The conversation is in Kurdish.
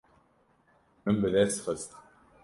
Min bi dest xist.